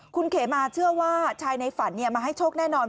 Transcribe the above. คุณเขมาเชื่อว่าชายในฝันมาให้โชคแน่นอน